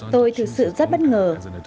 tôi thực sự rất bất ngờ